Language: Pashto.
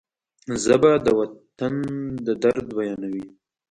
ژبه د وطن د درد بیانوي